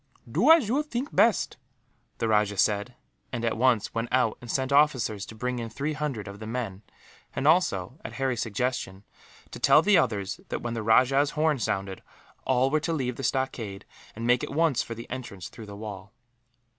"Do as you think best," the rajah said and, at once, went out and sent officers to bring in three hundred of the men; and also, at Harry's suggestion, to tell the others that, when the rajah's horn sounded, all were to leave the stockade and make at once for the entrance through the wall.